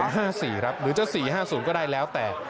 ๐๔๐๕๔หรอ๐๕๔ครับหรือจะ๔๕๐ก็ได้แล้วแต่